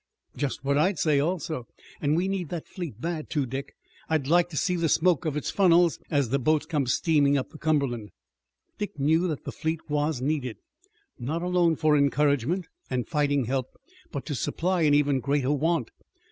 "Just what I'd say, also. And we need that fleet bad, too, Dick. I'd like to see the smoke of its funnels as the boats come steaming up the Cumberland." Dick knew that the fleet was needed, not alone for encouragement and fighting help, but to supply an even greater want.